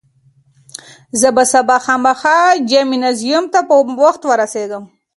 زه به سبا خامخا جمنازیوم ته په وخت ورسېږم.